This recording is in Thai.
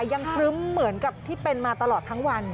ครึ้มเหมือนกับที่เป็นมาตลอดทั้งวัน